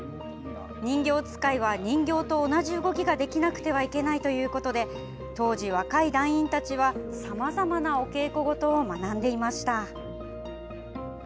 人形使いは人形と同じ動きができなくてはいけないということで当時、若い団員たちはさまざまなお稽古事を学んでいました。